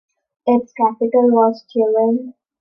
Its capital was Turin.